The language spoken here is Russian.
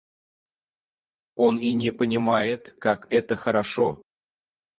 Он и не понимает, как это хорошо.